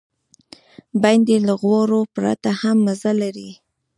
بېنډۍ له غوړو پرته هم مزه لري